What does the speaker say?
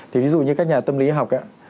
thì ví dụ như các nhà tâm lý học